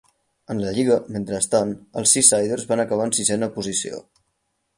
En la lliga, mentrestant, els Seasiders van acabar en sisena posició.